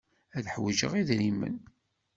Ad ḥwijeɣ idrimen.